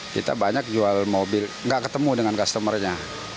kita banyak jual mobil nggak ketemu dengan customer nya